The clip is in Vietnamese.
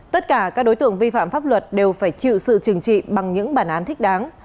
tất cả các đối tượng vi phạm pháp luật đều phải chịu sự trừng trị bằng những bản án thích đáng